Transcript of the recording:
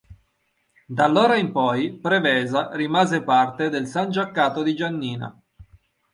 Da allora in poi Prevesa rimase parte del sangiaccato di Giannina.